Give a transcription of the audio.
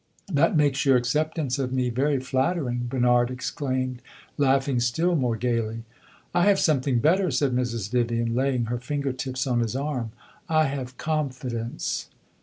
"That makes your acceptance of me very flattering!" Bernard exclaimed, laughing still more gaily. "I have something better," said Mrs. Vivian, laying her finger tips on his arm. "I have confidence."